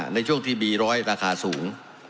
ในช่วงที่มีร้อยราคาสูง